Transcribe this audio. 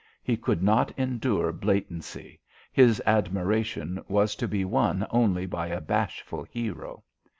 He could not endure blatancy; his admiration was to be won only by a bashful hero.